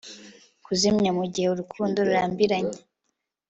Kuzimya mugihe urukundo rurambiranye